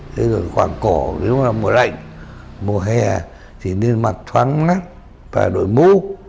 thế rồi khoảng cổ nếu mà mùa lạnh mùa hè thì nên mặc thoáng ngắt và đổi mũ